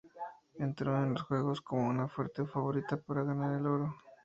Entró en los Juegos como una fuerte favorita para ganar el oro.